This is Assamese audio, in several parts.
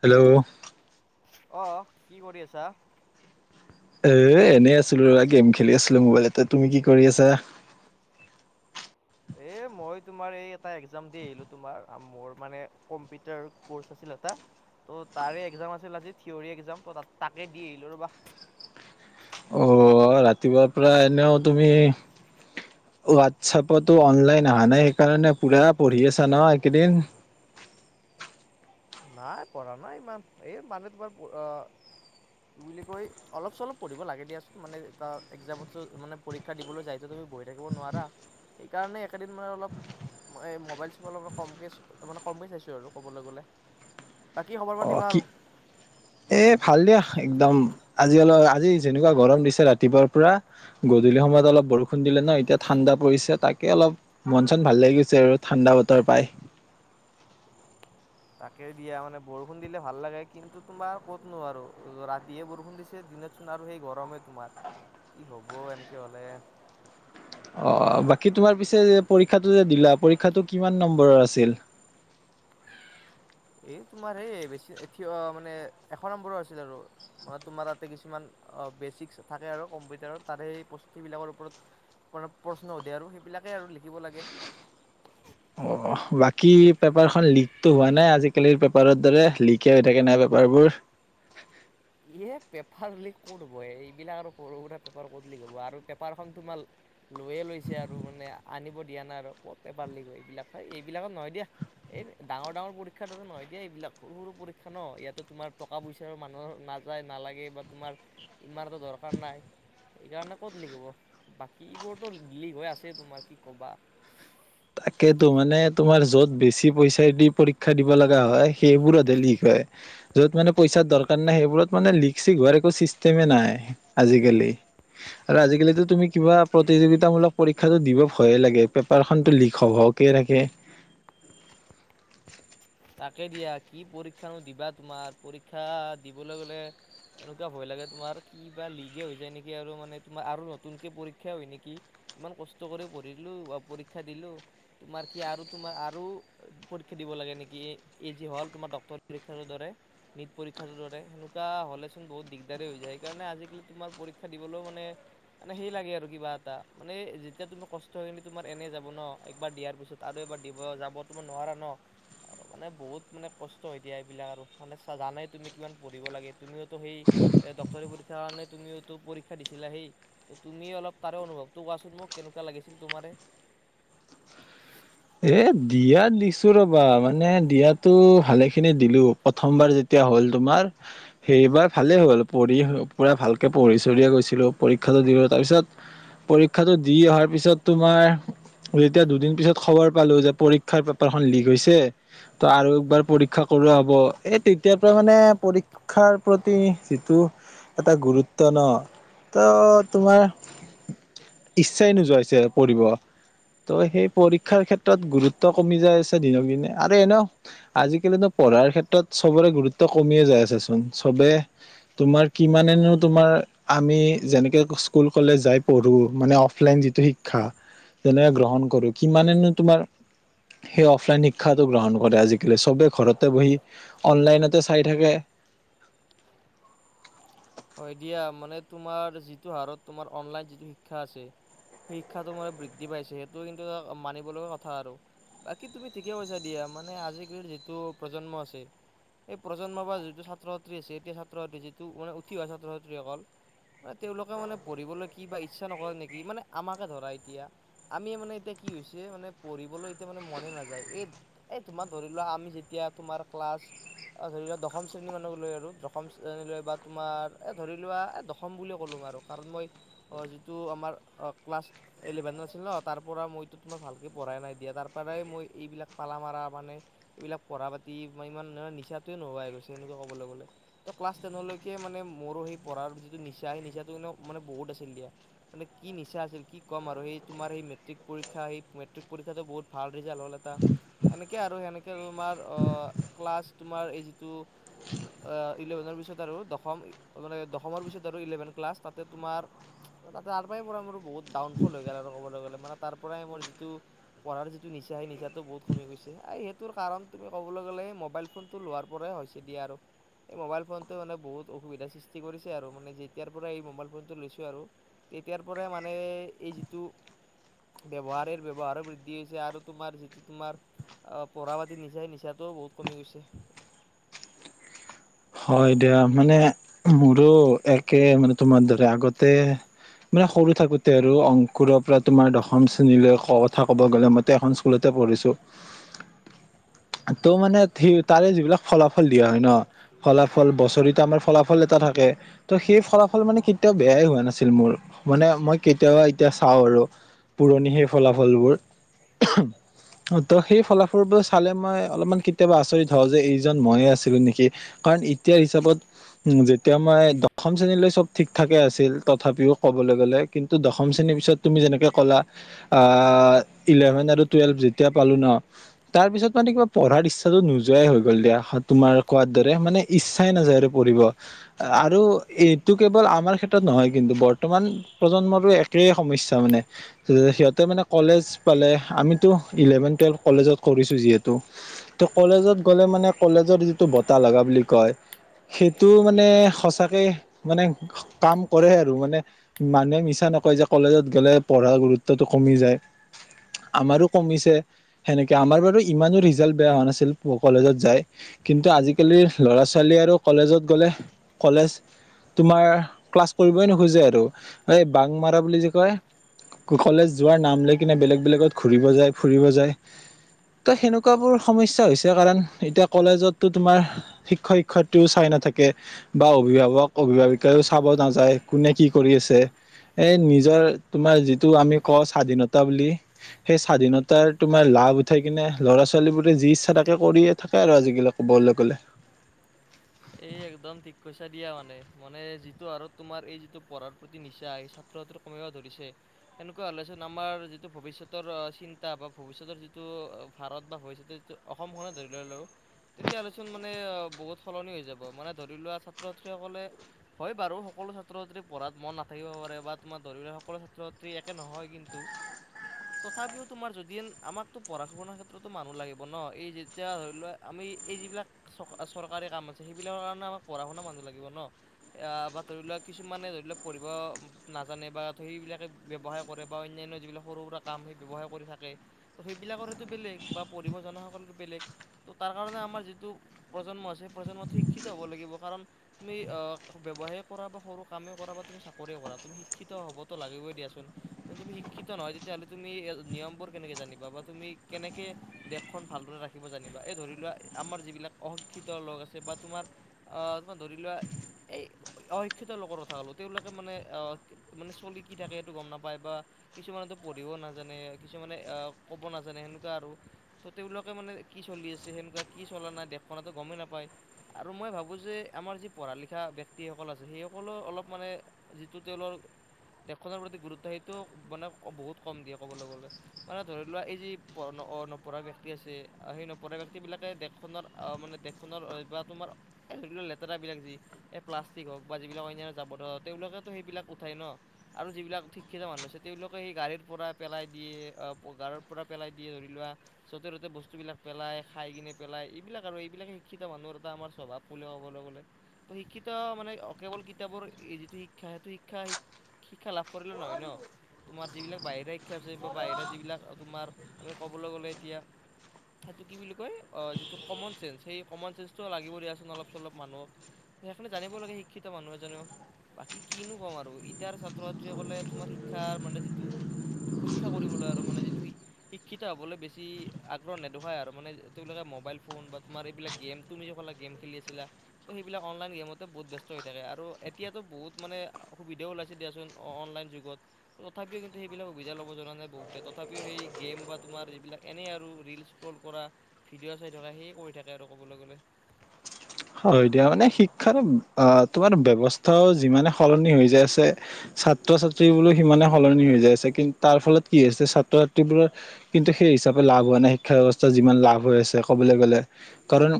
হেল্ল' অঁহ কি কৰি আছা? এ' এনেই আছিলো ৰবা গেম খেলি আছিলো মোবাইলতে। তুমি কি কৰি আছা? হয়। এ মই তোমাৰ এই এটা একজাম দি আহিলো তোমাৰ মোৰ মানে কম্পিউটাৰ কউৰ্চ আছিল এটা। ত' তাৰে একজাম আছিল আজি থিয়ৰী একজাম ত' তাকে দি আহিলো ৰ'বা। অ ৰাতিপুৱাৰ পৰা এনেও তুমি- হোৱাটছেপতো অনলাইন অহা নাই সেইকাৰণে পুৰা পঢ়ি আছা ন' এইকেইদিন। [unintelligible] নাই পঢ়া নাই ইমান এই মানে তোমাৰ অঁহ- বুলি কৈ অলপ চলপ পঢ়িব লাগে দিয়াচোন মানে এটা একজামত মানে পৰীক্ষা দিবলৈ যায় থাকো তুমি বহি থাকিব নোৱাৰা। সেইকাৰণে একেদিন মানে অলপ- এই মোবাইল চোবাইল কম মানে কমকে চাইছো আৰু ক'বলৈ গ'লে। বাকী খবৰ অ পাতি কি ভাল? এ' ভাল দিয়া একদম আজি অলপ আজি যেনেকুৱা গৰম দিছে ৰাতিপুৱাৰ পৰা গধূলি- সময়ত অলপ বৰষুণ দিলে ন' এতিয়া ঠাণ্ডা পৰিছে তাকে অলপ মন চন ভাল লাগিছে আৰু ঠাণ্ডা বতৰ পাই। [unintelligible] তাকে দিয়া মানে বৰষুণ দিলে ভাল লাগে। কিন্তু তোমাৰ ক'তনো আৰু ৰাতিয়ে বৰষুণ দিছে দিনত- চোন আৰু সেই গৰমেই তোমাৰ কি হ'ব এনেকে হ'লে। অ বাকী তোমাৰ পিছে যে পৰীক্ষটো যে দিলা পৰীক্ষাটো কিমান নম্বৰৰ আছিল? [unintelligible] এ' তোমাৰ এই বেছি থিয় মানে এশ নম্বৰৰ আছিল আৰু মানে তোমাৰ তা'তে কিছুমান- বেচিক্স থাকে আৰু কম্পিউটাৰত তাৰে সেই বস্তবিলাকৰ ওপৰত মানে প্ৰশ্ন সোধে আৰু সেইবিলাকে আৰু লিখিব লাগে। [unintelligible] অ বাকী পেপাৰখন লিকতো হোৱা নাই আজিকালিৰ পেপাৰৰ দৰে লিকে হৈ থাকে নাই পেপাৰ বোৰ ইয়ে পেপাৰ লিক ক'ত হ'ব এই এইবিলাক আৰু সৰু সুৰা পেপাৰ ক'ত লিক হ'ব আৰু পেপাৰখন তোমাৰ- লৈয়ে লৈছে আৰু মানে আনিব দিয়া নাই আৰু ক'ত পেপাৰ লিক হয় এইবিলাক এইবিলাকত নহয় দিয়া। এই ডাঙৰ ডাঙৰ পৰীক্ষাৰ দৰে নহয় এতিয়া এইবিলাক সৰু সৰু পৰীক্ষা ন' ইয়াতে তোমাৰ টকা পইচাৰ মানুহৰ- যাই নালাগে বা তোমাৰ ইমানতো দৰকাৰ নাই। সেইকাৰণে ক'ত লিক হ'ব। বাকী বোৰতো লিক হৈ আছে তোমাৰ কি কবা। তাকেই তো মানে তোমাৰ য'ত বেছি পইচাই দি পৰীক্ষা দিব লগা হয় সেইবোৰত হে লিক হয়। য'ত মানে পইচাৰ দৰকাৰ নাই সেইবোৰত মানে লিক চিক হোৱাৰ একো চিষ্টেমে নাই আজিকালি। আৰু আজিকালি তো তুমি কিবা প্ৰতিযোগিতামূলক পৰীক্ষাটো দিব ভয়ে লাগে পেপাৰ খনো টো লিক কমকে থাকে। তাকে দিয়া কি পৰীক্ষা নো দিবা তোমাৰ পৰীক্ষা দিবলৈ গ'লে- এনেকুৱা ভয় লাগে তোমাৰ কি বা লিক হৈ যায় নেকি আৰু মানে তোমাৰ আৰু নতুনকে পৰীক্ষা হয় নেকি। ইমান কষ্ট কৰি পঢ়িলো বা পৰীক্ষা দিলো তোমাৰ কি আৰু তোমাৰ আৰু পৰীক্ষা দিব লাগে নেকি। কি এই যি হ'ল তোমাৰ ডক্তৰ পৰীক্ষা টোৰ দৰে নীট পৰীক্ষাৰ টোৰ দৰে সেনেকুৱা হ'লে চোন বহুত দিগদাৰ হৈ যায়। সেইকাৰণে আজিকালি তোমাৰ পৰীক্ষা দিবলৈও মানে মানে সেই লাগে আৰু কিবা এটা মানে যেতিয়া তোমাৰ কষ্ট হৈ খিনি তোমাৰ এনেই যাব ন' একবাৰ দিয়াৰ পিছত আৰু এবাৰ দিব যাব তোমাৰ নোৱাৰা ন'। মানে বহুত মানে কষ্ট এতিয়া এইবিলাক আৰু মানে জানে তুমি কিমান পঢ়িব লাগে। তুমিওতো সেই এ' ডক্টৰ পৰীক্ষাৰ কাৰণে তুমিও টো পৰীক্ষা দিছিলা সেই তুমিও অলপ তাৰে অনুভৱটো কোৱাচোন মোক কেনেকুৱা লাগিছিল তোমাৰে? [unintelligible] এ' দিয়া তো দিছো ৰ'বা মানে দিয়াতো ভালে খিনি দিলো প্ৰথমবাৰ যেতিয়া- পৰীক্ষা হল তোমাৰ সেইবাৰ ভালেই হল পঢ়ি পোৰা ভালকে পঢ়ি চলিয়ে গৈছিলো। পৰীক্ষা তাৰ পিছত পৰীক্ষাটো দি অহাৰ পিছত তোমাৰ যেতিয়া দুদিন পিছত খবৰ পালো যে পৰীক্ষাৰ পেপাৰখন লিক হৈছে ত' আৰু একবাৰ পৰীক্ষা কৰোৱা হব। এই তেতিয়াৰ পৰা মানে পৰীক্ষাৰ প্ৰতি যিটো এটা গুৰুত্ব ন ত' তোমাৰ ইচ্ছায় নোযোৱাই হৈছে পঢ়িব। তো সেই পৰীক্ষাৰ ক্ষেত্ৰত গুৰুত্ব কমি যাই আছে দিনক দিনে আৰু এনে আজিকালিনো পঢ়াৰ ক্ষেত্ৰত চবৰে গুৰুত্ব কমিয়ে যায় আছে চোন চবে তোমাৰ কিমানেনো তোমাৰ আমি যেনেকে স্কুল কলেজ যাই পঢ়ো মানে অফলাইন যিটো শিক্ষা যেনেকে গ্ৰহণ কৰো কিমানেনো তোমাৰ সেই অফলাইন শিক্ষাটো গ্ৰহণ কৰে আজিকালি চবে ঘৰতে বহি অনলাইনতে চাই থাকে। [inaudible] [unintelligible] হয় দিয়া মানে তোমাৰ যিটো হাৰত তোমাৰ অনলাইন শিক্ষা আছে শিক্ষাটো মানে বৃদ্ধি পাইছে সেইটো কিন্তু এ মানিব লগীয়া কথা আৰু। বাকী তুমি ঠিকে কৈছা দিয়া মানে আজিকালিৰ যিটো প্ৰজন্ম আছে। এই প্ৰজন্মৰ বা যিটো ছাত্ৰ ছাত্ৰী আছে এতিয়া ছাত্ৰ ছাত্ৰী যিটো মানে উঠি অহা ছাত্ৰ ছাত্ৰীসকল। তেওলোকে মানে পঢ়িবলৈ কি বা ইচ্ছা নকৰে নেকি মানে আমাকে ধৰা এতিয়া আমি মানে এতিয়া। কি হৈছে মানে পঢ়িবলৈ এতিয়া মানে মনে নাযায় এই - এই তোমাৰ ধৰি লোৱা আমি যেতিয়া তোমাৰ ক্লাছ অ ধৰি লক দশম শ্ৰেণী মানক লৈ আৰু দশম শ্ৰেণীলৈ বা তোমাৰ এই ধৰি লোৱা এই দশম বুলিয়ে কলো আৰু কাৰণ মই যিটো আমাৰ ক্লাছ ইলেভেনত আছিল ন তাৰ পৰা মইতো তোমাৰ ভালকে পঢ়াই নাই দিয়া তাৰ পৰাই মই এইবিলাক পালা মাৰা মানে এইবিলাক পঢ়া পাতি ইমান নিচাতোৱে নোহোৱাই হৈ গৈছে এনেকুৱা ক'বলৈ গলে ক্লাছ টেনলৈ কে মানে মোৰো সেই পঢ়াৰ যিটো নিচা সেই নিচাটো মানে বহুত আছিল দিয়া। মানে কি নিচা আছিল কি কম আৰু সেই তোমাৰ সেই মেট্ৰিক পৰীক্ষা সেই মেট্ৰিক পৰীক্ষাতটো বহুত ভাল ৰিজাল্ট হ'ল এটা। এনেকে আৰু সেনেকে তোমাৰ অহ, ক্লাছ তোমাৰ এই যিটো অহ, ইলেভেনৰ পিছত আৰু দশম মানে দশমৰ পিছত আৰু ইলেভেন ক্লাছ তাতে তোমাৰ তাতে তাৰ পৰাই পৰা মোৰ বহুত ডাউন সফল হৈ গ'ল আৰু ক'বলৈ গ'লে মানে তাৰ পৰাই মোৰ যিটো পঢ়াৰ যিটো নিচা সেই নিচাতটো বহুত কমি গৈছে আ সেই তোৰ' কাৰণ তুমি ক'বলৈ গ'লে সেই মোবাইল ফোনতটো লোৱাৰ পৰাই হৈছে দিয়া আৰু এই মোবাইল ফোনটো মানে বহুত অসুবিধাৰ সৃষ্টি কৰিছে আৰু মানে যেতিয়াৰ পৰা এই মোবাইল ফোনটো লৈছো আৰু তেতিয়াৰ পৰাই মানে যিটো ব্যৱহাৰ ব্যৱহাৰে বৃদ্ধি হৈছে আৰু তোমাৰ যিটো তোমাৰ অ, পঢ়া পাতি নিচাই - নিচাতটো বহুত কমি গৈছে। [inaudible] [unintelligible] হয় দিয়া মানে মোৰো একে মানে তোমাৰ দৰে আগতে মানে সৰু থাকোতে আৰু অংকুৰৰ পৰা তোমাৰ দশম শ্ৰেণীলৈ কথা কব গ'লে মতে এখন স্কুলতে পঢ়িছো। ত' মানে সি তাৰে যিবিলাক ফলাফল দিয়া হয় ন ফলাফল বছৰিত আমাৰ ফলাফল এটা থাকে ত' সেই ফলাফল মানে কেতিয়াও বেয়াই হোৱা নাছিল মোৰ। মানে মই কেতিয়াবা এতিয়া চাও আৰু পুৰণি সেই ফলাফলবোৰ। ত' সেই ফলাফলবোৰ চালে মই অলপমান কেতিয়াবা আচৰিত হও যে এইজন মইয়ে আছিলো নিকি? কাৰণ এতিয়াৰ হিচাপত উম, যেতিয়া মই দশম শ্ৰেণীলৈ চব ঠিক ঠাকে আছিল। তথাপিও কবলৈ গ'লে কিন্তু দশম শ্ৰেণী তাৰেপিছত তুমি যেনেকে কলা আহ, ইলেভেন আৰু টোৱেলভ যেতিয়া পালো ন তাৰ তাৰ পিছ মানে পঢ়াৰ ইচ্ছা নোযোৱাই হৈ গল দিয়া তোমাৰ কোৱাৰ দৰ মানে ইচ্ছাই নাযায় আৰু পঢ়িব আৰু এইটো কেৱল আমাৰ ক্ষেত্ৰত নহয় কিন্তু বৰ্ত কিমান প্ৰজন্মৰো একেই সমস্যা মানে সিহতে মানে কলেজ পালে আমিতো ইলেভেন টুৱেলভ কলেজত কৰিছো যিহেতু ত' কলেজত গ'লে মানে কলেজৰ যিটো বৰ্ত তা লাগা বুলি কয়। সেইটো মানে সচাকে মানে কাম কৰে আৰু মানে মানুহে মিছা নে কয় যে কলেজত গে'লে পঢ়াৰ গুৰুত্বটো কমি যায়। আমাৰো কমিছে সেনেকে আমাৰ বাৰু ইমানো ৰিজাল্ট বেয়া হোৱা নাছিল কলেজত যাই কিন্তু আজিকালি ল'ৰা ছোৱালী আৰু কলেজত গ'লে কলেজ তোমাৰ ক্লাছ কৰিবই নোখোজে আৰু এই বাং মাৰা বুলি যে কয় কুশলেজ যোৱাৰ নাম লৈ কিনে বেলেগ বেলেগত ঘুৰিব যায় ফুৰিব যায়। ত সেনেকুৱা বোৰ সমস্যা হৈছে কাৰণ এতিয়া কলেজতটো তোমাৰ শিক্ষযক শিক্ষয়িত্ৰীও চাই নাথাকে বা অভিভাৱক অভিভাৱিকাইও চাব নাযায়। কোনে কি কৰি আছে এই নিজৰ তোমাৰ যিটো আমি কওঁ স্বাধীনতা বুলি সেই স্বাধীনতাৰ তোমাৰ লা লাভ উঠাই কিনে ল'ৰা ছোৱালীবোৰে যি ইচ্ছা তাকে কৰিয়ে থাকে আৰু আজিকালি কবলে গ'লে। এই একদম ঠিক কৈছা দিয়া মানে মানে যিটো আৰু তোমাৰ এই যিটো পঢ়াৰ প্ৰতি নিচা আহ তহতৰ কমিব ধৰিছে এনেকুৱা হ'লে আমাৰ যিটো ভৱিষ্যতৰ চিন্তা বা ভৱিষ্যতৰ যিটো ভাৰত বা ভৱিষ্যতে অসমখনে ধৰি লৈলো তেতিয়াহ'লেচোন মানে অ বহুত সলনি হৈ মানে ধৰি লোৱা ছাত্ৰ ছাত্ৰীসকলে হয় বাৰু সকলো ছাত্ৰ ছাত্ৰী পঢ়াত মন নাথাকিব পাৰে বা আমাৰ ধৰি ল সকলো ছাত্ৰ ছাত্ৰী একে নহয় কিন্তু তথাপিও তোমাৰ যদি আমাকতো পঢ়া শুনাৰ ক্ষেত্ৰতো মানুহ লাগিব ন এই যেতিয়া ধৰি লোৱা আমি এই যিবিলাক চৰকাৰী কাম আছে। সেইবিলাকৰ কাৰণে আমাক পঢ়া শুনা মানুহ লাগিব ন আ বা ধৰি লোৱা কিছুমানে ধৰি লক পঢ়িব নাজানে বা ত সেইবিলাকে ব্যৱসায় কৰে বা অন্যান্য যিবিলাক সৰু সুৰা কাম সেই ব্যৱসায় কৰি থাকে ত সেইবিলাক পৰাটো বেলেগ বা পঢ়িব জনা সকলো বেলেগ ত' তাৰ কাৰণে আমাৰ যিটো প্ৰজন্ম আছে প্ৰজন্ম শিক্ষিত হ'ব লাগিব কাৰণ তুমি ব্যৱসায় কৰা বা সৰু কামে কৰা বা তুমি চাকৰিয়ে কৰা তুমি শিক শিক্ষিত হ'বতো লাগিবই দিয়াচোন। তুমি শিক্ষিত নহয় তেতিয়া তুমি নিয়মবোৰ কেনেকে জানিবা বা তুমি কেনেকে দেশখন ভালদৰে ৰাখিব জানিবা। এই ধৰি লোৱা আমাৰ যিবিলাক অশিক্ষিত লোক আছে বা তোমাৰ আহ তোমাৰ ধৰি লোৱা এই অশিক্ষিত লোকৰ কথা ক'লো তেওঁলোকে মানে অহ মানে চলি কি থাকে সেইটো গম নাপায় বা কিছুমানো পঢ়িবও নাজানে কিছুমানে এ ক'ব নাজানে সেনেকুৱা আৰু ত তেওঁলোকে মানে কি চলি আছে সেনেকুৱা কি চলা নাই দেশখনত তো গমেই নাপায়। আৰু মই ভাবো যে আমাৰ যি পঢ়া লিখা ব্যক্তিসকল আছে। সেই সকলৰ অলপ মানে যিটো তেওঁলৰ [inaudible] দেশখনৰ প্ৰতি গুৰুত্ব সেইটো মানে বহুত কম দিয়ে ক'বলে গলে মানে ধৰি লোৱা এই যি নপ অ নপঢ়া ব্যক্তি আছে সেই নপঢ়া ব্যক্তিবিলাকে দেশখনৰ মানে দেশখনৰ তাত তোমাৰ এ লেতেৰাবিলাক যি এই প্লাষ্টিক হওক বা যিবিলাক অন্যান্য জাৱৰ তেওঁলোকেতো সেইবিলাক উঠাই ন আৰু যিবিলাক শিক্ষিত মানুহ আছে তেওঁলোকে সেই গাড়ীৰ পৰা পেলাই দিয়ে গাড়ীৰ পৰা পেলাই দিয়ে ধৰি লোৱা যতে ততে বস্তু বিলাক পেলাই খাই কিনে পেলাই। এইবিলাক আৰু এইবিলাকে শিক্ষিত মানুহৰ আমাৰ স্বভাৱ বুলি ক'বলৈ গ'লে। ত শিক্ষিত মানে কেৱল কিতাপৰ এই যিটো শিক্ষা সেইটো শিক্ষা শিক্ষা লাভ কৰিলে নহয় ন? তোমাৰ যিবিলাক বাহিৰা শিক্ষা আছে বা বাহিৰা যিবিলাক তোমাৰ আমি ক'বলৈ গ'লে এতিয়া। সেইটো কি বুলি কয় যি কমন চেঞ্চ। লাগিব দিয়াচোন অলপ চলপ মানুহক। সেইকাৰণে জানিব লাগে শিক্ষিত মানুহ এজনেও। বাকী কিনো ক'ম আৰু এতিাৰ ছাত্ৰ ছাত্ৰীসকলে তোমাৰ শিক্ষা মানে যিটো। শিক্ষা কৰিবলৈ আৰু মানে যিটো শিক্ষিত হবলৈ বেছি আগ্ৰহ নেদোখাই আৰু মানে তেওঁলোকে। মোবাইল ফোন বা তোমাৰ এইবিলাক গেম। তুমি জখালা গেম খেলি আছিলা তো সেইবিলাক অনলাইন গেমতে বহুত ব্যস্ত হৈ থাকে আৰু এতিয়াতো বহুত মানে। সুবিধাও ওলাইছে দিয়াচোন অ অনলাইন যুগত। তথাপিও কিন্তু সেইবিলাক সুবিধা ল'ব জনা নাই বহুতে তথাপিও সেই। গেম বা তোমাৰ যিবিলাক এনেই আৰু ৰিল ষ্ট্ৰল কৰা, ভিডিঅ' চাই থকা সেইে কৰি থাকে আৰু ক'বলৈ গ'লে। হয় দিয়া মানে শিক্ষাৰ অ তোমাৰ ব্যৱস্থা। ও যিমানে সলনি হৈ যাই আছে ছাত্ৰ ছাত্ৰী বোৰো সিমানে সলনি হৈ যাই আছে কিন্তু তাৰ ফলত। কি হৈছে ছাত্ৰ ছাত্ৰীবোৰৰ কিন্তু সেই হিচাপে লাভ হোৱা নাই শিক্ষা ব্যৱস্থা যিমান লাভ হৈ আছে ক'বলৈ গ'লে। কাৰণ।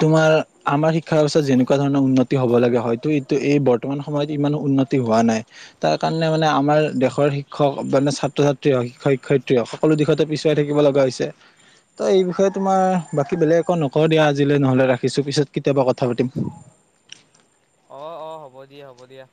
তোমাৰ আমাৰ শিক্ষা ব্যৱস্থাত যেনেকুৱা ধৰণৰ উন্নতি হ'ব লাগে হয়তটো এইটো এই বৰ্তমান সময়ত ইমান উন্নতি। হোৱা নাই তাৰ কাৰণে মানে আমাৰ দেশৰ শিক্ষক মানে ছাত্ৰ ছাত্ৰী হওক শিক্ষক শিক্ষয়িত্ৰী হওক সকলো। দিশতে পিছুৱাই থাকিব লগা হৈছে ত এই বিষয়ে তোমাৰ বাকী বেলেগ একো নকৰ দিয়া আজিলৈ নহলে ৰাখ। ৰাখিছো পিছত কেতিয়াবা কথা পাতিম। অ অ হ'ব দিয়া হ'ব দিয়া।